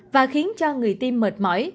và khiến cho người tiêm mệt mỏi